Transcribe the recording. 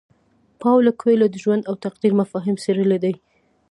پاولو کویلیو د ژوند او تقدیر مفاهیم څیړلي دي.